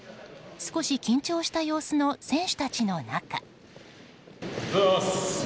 少し緊張した様子の選手たちの中。